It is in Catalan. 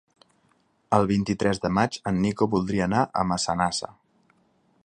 El vint-i-tres de maig en Nico voldria anar a Massanassa.